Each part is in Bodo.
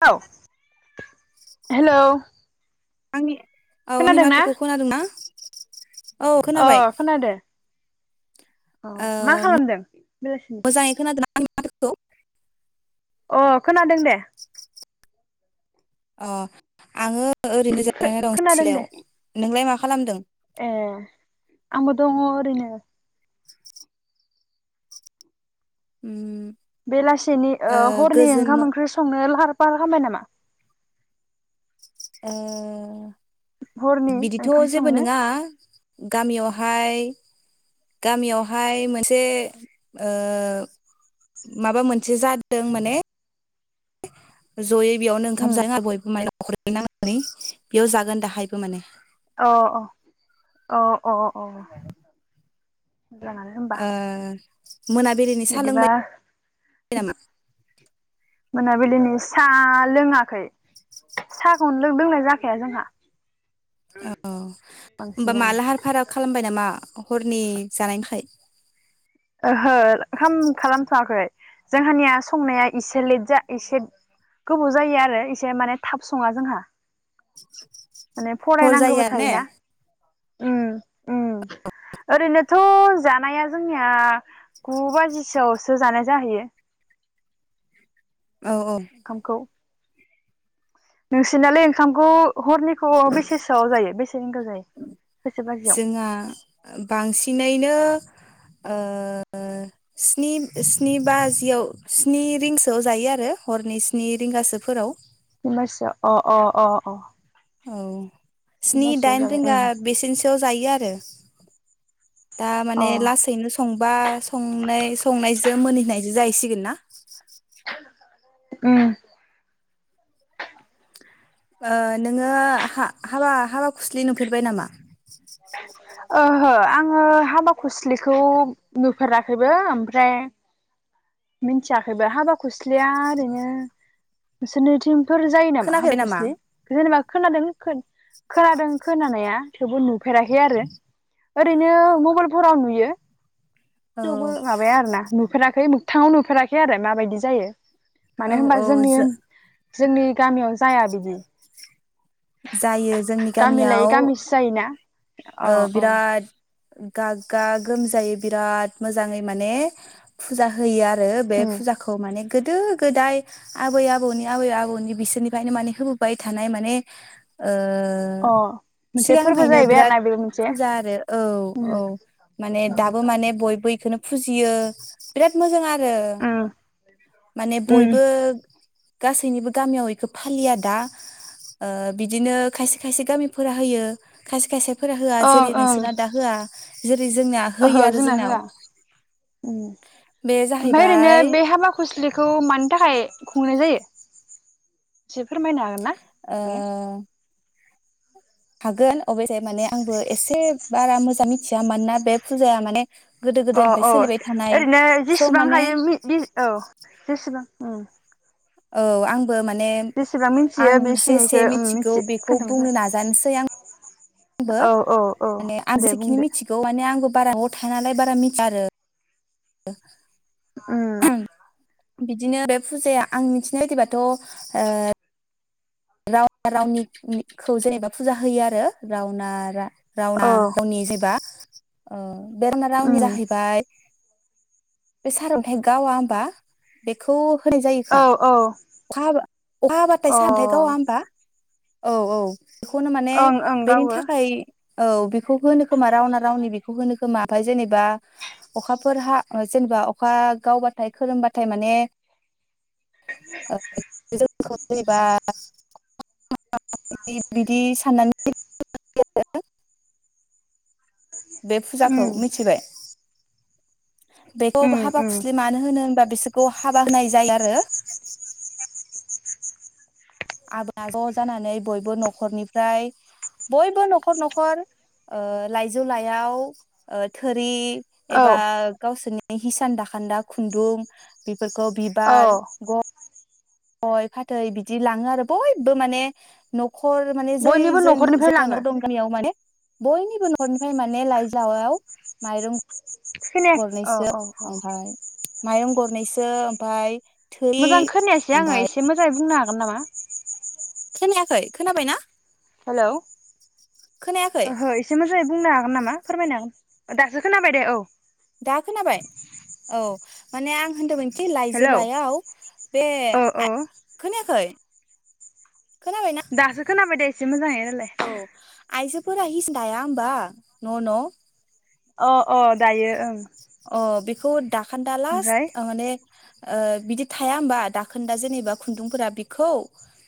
[unintelligible] हेलौ आंनि औ आंंनि खोनादों ना माथोखौ खोनादों ना अ खोनादो अ ओ मा खालामदों बेलासिनि [unintelligible] अ खोनादों दे अ आङो ओरैनो जिरायना दं खोनादों दे सिलायाव नोंलाय मा खालामदों ए आंबो दङ ओरैनो उम बेलासिनि ओ हरनि गोजोन ओंखाम मो ओंख्रि संनो लाहार बारा खामबाय नामा ओ हरनि बिदिथ' ओंखाम जेबो संनो नोङा गामियाव हाय गामियावहाय मोनसे ओ माबा मोनसे जादों माने जयै बेयावनो उम ओंखाम [unintelligible] बयबो माने नखर नांनानै बेयाव जागोन दाहायबो माने अ अ अ अ अ जाङानो होमबा ओ मोनाबिलिनि साहा बिदिबा लोंबाय नामा मोनाबिलिनि सा लोङाखै साहाखौनो लोंनाय जाखाया जोंहा अ होमबा मा बांसिनानो लाहार फाहारा खालामबाय नामा हरनि जानायनि थाखाय [unintelligible] खालामथ'वाखै जोंहानिया संनाया एसे लेट जा एसे गोबाव जायो आरो एसे माने थाब सङा जोंहा माने हर फरायनांगौबो जायो आरो ने थायोना ओम उम ओरैनो थ' जानाया जोंनिया गु बाजिसोआवसो जानाय जाहैयो औ औ ओंखामखौ नोंसिनालाय ओंखामखौ हरनिखौ बेसेसोआव जायो बेसे रिंगायाव जायो बेसे बाजियाव जोंहा ओ स्नि -स्नि बाजियाव स्नि रिंसोयाव जायो आरो हरनि स्नि रिंगासोफोराव [unintelligible] अ अ अ अ औ थिन स्नि बाजिसोआव दाइन जाबाय रिंगा उम बेसेनसोआव जायो आरो [unintelligible] दा माने अ लासैनो सं बा संनाय संनायजों मोनहैनायजों जाहैसिगोन ना [inaudible] ओम ओ नोङो हा- हाबा हाबा खुस्लि नुफेरबाय नामा ओहो आङो हाबा खुस्लिखौ नुफेराखैबो ओमफ्राय मिथियाखैबो हाबा खुस्लिया ओरैनो नोंसोरनिथिं [unintelligible] जायो नामा हाबाखुस्लि जेनेबा खोनादों [unintelligible] खोनादों खोनानाया थेवबो नुफेराखै आरो ओरैनो मबाइलफोराव नुयो औ थेवबो माबाया आरो ना नुफेराखै मोगथाङाव नुफेराखै आरो माबायदि जायो औ मानो होनबा औ जोंनि जो जोंनि गामियाव जाया बिदि जायो जोंनि गामि लायै गामियाव गामिसो जायोना अ ओ अ बिराद गागा गोमजायो बिराद मोजाङै माने फुजा होयो ओ बे उम फुजाखौ माने गोदो गोदाय आबै आबौनि आबै आबौनि बिसोरनिफ्रायनो माने होबोबाय थानाय माने ओ ओ अ मोनसे फोरबो सिगांनिफ्रायनो जाहैबाय बिराद आरोना बेबो मोनसे फुजा आरो औ उम औ माने दाबो उम माने बयबो इखोनो फुजियो बिराद मोजां आ हो माने उम बयबो गासैनिबो गामियाव एखौ फालिया दा ओ बिदिनो खायसे खायसे गामिफोरा होयो खायसे खायसे फोरा होआ ओं जेरै ओं नोंसोरना दा होआ जेरै जोंना ओहो होयो आरो जोंना जोंनाव होआ उम बे ओमफाय ओरैनो जाहैबाय बे हाबा खुस्लिखौ मानि थाखाय खुंनाय जायो एसे फोरमायनो हागोन ना आगैया? ओ हागोन अबयसे माने आंबो एसे बारा मोजां मिथिया मानोना बे फुजाया माने गोदो अ गोदायनिफ्राय अ सोलिबाय थानाय ओरैनो स' जिसिबां माने हायो मि बि औ जिसिबां ओम औ आं बो माने मिथियो आं जेसे बेखिनिखौ उम मिथिगौ मिथि बेखौ खोन्थाबानो बुंनो जाबाय नाजानसै आं बो औ औ औ माने आं दे जेखिनि बुंदो मिथिगौ माने ना आंबो बारा [inaudible] थांआ नालाय बारा मिथिया आरो ओ उम बिदिनो बे फुजाया आं मिथिनाय बायदिबाथ' ओ राव रावनि निखौ जेनेबा फुजा होयो आरो रावना रा रावना औ गावनि जेबा ओ बे [inaudible] रावनि उम जाहैबाय बे सारअन्थाइ गावा होमबा बेखौ होनाय जायो खोमा औ औ अखा हाबा अहाबाथाय अ सानथाय गावा होमबा औ औ बेखौनो माने ओं ओं बेनि गावो थाखाय औ बि खौ होनो खोमा रावना रावनि बेखौ होनो खोमा ओमफाय जेनेबा अखाफोरहा जेनेबा अखा गावबाथाय खोरोमबाथाय माने औ [inaudible] जेनेबा बिदि बिदि साननानै बे उम फुजाखौ मिथिबाय? बेखौबो उम हाबा उम खुस्लि मानो होनो होनबा बिसोर बेखौ हाबा होनाय जायो आरो। आबा ज जानानै बयबो नखरनिफ्राय बयबो नखर नखर लाइजौ लाइयाव थोरि औ एबा गावसोनि हिसान दाखान्दा खुन्दुं बि फोरखौ औ बिबार गन गय फाथै बिदि लाङो आरो बयबो माने न खर माने जै बयनिबो जोन न'खरनिफ्राय जायगा लाङो न दं गामियाव माने बयनिबो नखनिफ्राय माने लाइ जावायाव माइरं खोना औ गरनैसो औ औ ओमफाय माइरं गरनैसो ओमफाय थोरि मोजां खोनायासै आङो ओमफाय एसे मोज बुंनो हागोन नामा? खोनायाखै खोनाबायना? हेलौ खोनायाखै ओहो एसे मोजाङै बुंनो हागोन नामा फोरमायनो हागोन दासो खोनाबाय दे औ। दा खोनाबाय औ माने आं होनदोंमोन हेलौ लाइजोलायाव बे औ औ खोनायाखै खोनाबायना दासो खोनाबाय दे। इसे मोजाङै रायलाय औ आइजो फोरा हिस दाया होनबा न न? अ अ दायो ओं [unintelligible] दाखान्दा लास्ट ओमफ्राय माने ओ बिदि थाया होमबा दाखोन दा जेनेबा खुन्दुंफोरा बेखौ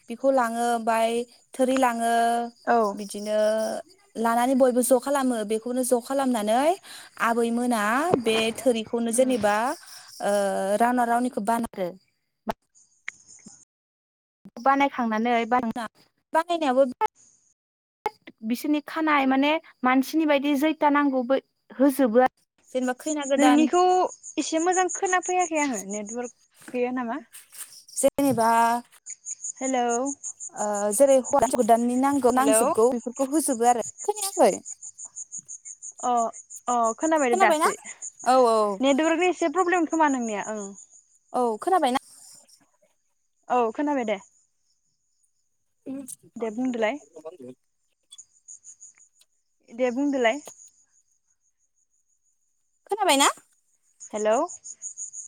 बिखौ लाङो ओमफ्राय थोरि ला आङो औ बिदिनो लानानै बयबो ज खालामो बेखौनो ज खालामनानै आ आबै मोना बे थोरिखौनो जेनेबा ओ रावना रावनिखौ [unintelligible] बानायखांनानै बानाय बानायनायाबो बिराद बिसोरनि खानाय माने मानसिनि बायदि जैथा नांगौबो होजोबो आरो जेनेबा खैना गोदान नोंनिखौ एसे मोजां खोना फैयाखै आङो नेटवारक गैया नामा जेनेबा हेलौ ओ जेरै गोदाननि नांगो नांजोबगौ बेफोरखौ होजोबो आरो खोनायाखै अ अ खोनाबाय दे खोनाबायना दासो औ औ नेटवारकनि एसे प्रब्लेम खोमा नोंनिया ओं औ खोनाबाय ना औ खोनाबाय दे दे बुंदोलाय [inaudible] दे बुंदोलाय खोनाबाय‌ ना हेलौ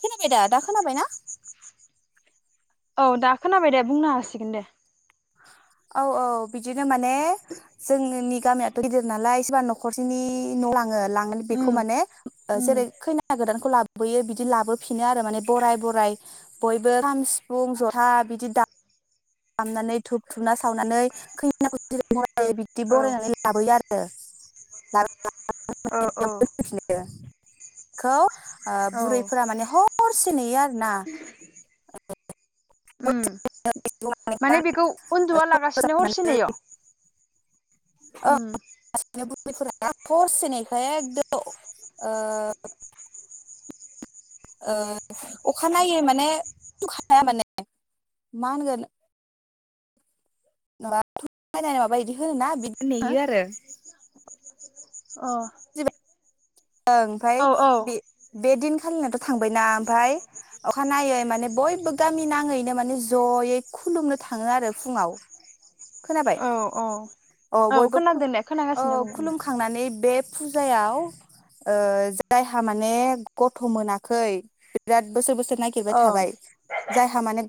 खोनबाय दा दा खोनाबायना औ दा खोनाबाय दे बुंनो हासिगोन दे औ औ बिदिनो माने जोंनि गामियाथ' गिदिर नालाय सोरबा नखरसेनि न' लाङो लाङो उम बेखौ माने ओ उम जेरै खैना गोदान खौ लाबोयो बिदि लाबोफिनो आरो माने बराय बराय बयबो खाम सिफुं जथा बिदि दा खामनानै धुुब धुना सावनानै खैनाखौ [unintelligible] ओ बिदि औ बरायनानै लाबोयो आरो ला औ औ [unintelligible] खौ ओ औ बुरैफोरा माने हर से नेयो आरो ना उम माने बेखौ उन्दुआ लागासिनो हरसे नेयो उम बिनो बुरैफोरा हरसे नेखायो एकदम ओ ओ अखानायै माने उन्दुखाया माने मा होनगोन माबा बायनानै माबा बिदि होनो ना बिदि हो नेयो आरो अ ओं ओमफ्राय औ बे बे दिनखालिनाथ' थांबायना ओमफ्राय अखानायै माने बयबो गामि नाङैनो माने जयै खुलुमनो थाङो आरो फुङाव खोनाबाय औ औ अ औ बयबो खोनादों दे औ खोनागासिनो बुं उम खुलुमखांनानै बे फुजायाव जायहा माने गथ मोनाखै बिराद बोसोर बोसोर नागिरबाय ओं थाबाय। जायहा माने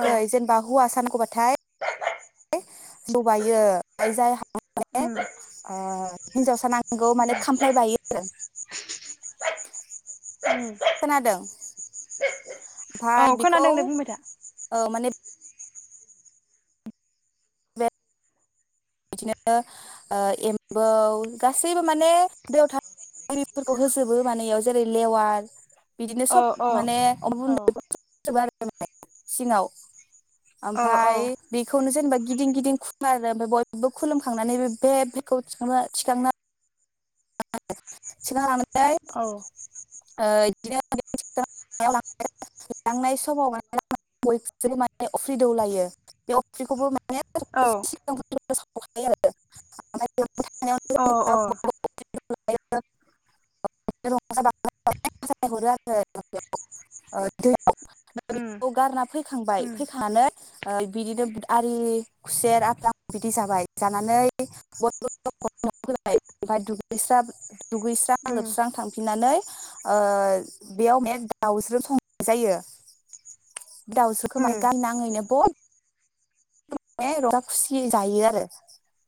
औ जेनेबा हौवासा नांगौबाथाय जिदौ बायो आरो जायहा माने उम ओ हिनजावसा नांगौ नोंगौ माने खामफ्लाय बायो आरो। उम खोनादों औ ओमफाय बेखौ खोनादों दे‌ बुंबाय था। ओ माने बिदिनो ओ एम्बौ गासैबो माने दैयाव थाग्राफोरखौ होजोबो माने इयाव जेरै लेवार बिदिनो औ सब औ माने औ सिङाव औ ओमफाय बेखौनो जेनेबा गिदिं गिदिं खुला [unintelligible] खुलुमखांनानै बेखौनो थिखांना [inaudible] औ बिदिनो लांनाय समाव माने बयबो माने अफ्रि दौलायो बे अफ्रिखौबो माने औ औ औ [unintelligible] उम गारना फैखांबाय उम फैखांनानै बिदिनो आरि खुसेर आफेल बिदि जाबाय जानानै बयैबाय ओमफ्राय द दुगैस्रां उम लोबस्रां थांफिननानै ओ बेयाव माने दाउज्रो संनाय जायो दाउज्रोखौ माने उम गामि नााङैनो बयबो माने रंजा खुसियै जायो आरो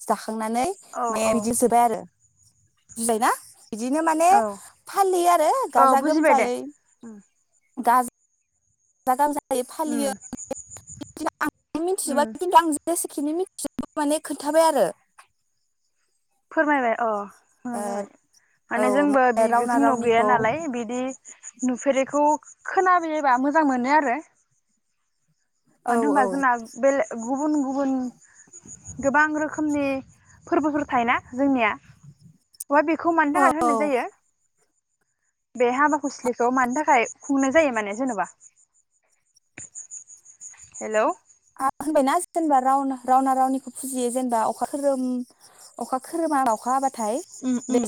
जाखां माने औ मे औ बिदि सोबाय आरो होनबाय ना बिदिनो माने औ फालि आरो औ गाजा बुजिबाय दे गोमजायै। उम दा दाम यै उम फालियो। आं मिथिजोबा उम खिथु आं जेसेखिनि मिथियो माने खोन्थाबाय आरो। फोरमायबाय अ। मारै ओ औ माने जोंबो बि रावना जोंनाव गैया रावनिखौ नालाय बिदि नुफेरैखौ खोनाबोयोबा मोजां मोनो आरो। औ मानो होनबा औ जोंना बेले गुबुन गुबुन गोबां रोखोम रोखोमनि फोरबोफोर थायो ना जोंनिया अ बेखौ मानि थाखाय औ होनाय जायो बे हाबाखुस्लिखौ मानि थाखाय खुंनाय जायो माने जेन'बा हेलौ आ होनबायना जेनेबा रावन- रावना रावनिखौ फुजियो जेनेबा अखा खोरोम अखा खोरोमा अखा हाबा नाथाय उम उम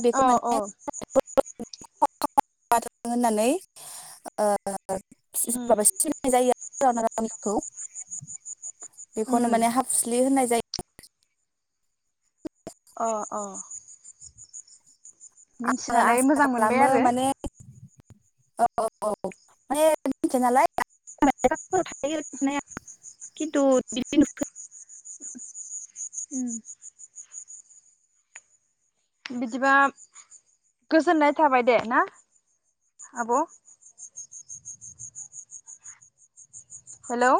[unintelligible] बेखौ औ माने औ [unintelligible] [unintelligible] होननानै ओ [unintelligible] उम माबा सिमनाय जायो [unintelligible] [unintelligible] खौ उम बेखौनो माने हाफुसलि होननाय जायो [unintelligible] अ अ आङो मिनथिनानै आसा मोजां मोनबाय खालामो आरो माने औ औ माने [unintelligible] नालाय [unintelligible] खिन्थु बिदि नुफेरा उम बिदिबा गोजोननाय थाबाय दे ना आब' हेलौ